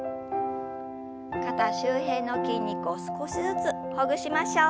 肩周辺の筋肉を少しずつほぐしましょう。